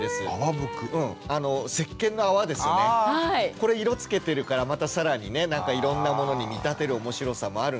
これ色つけてるからまた更にねいろんなものに見立てる面白さもあるんですけど。